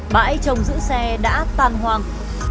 bãi trồng giữ xe đã tan hoang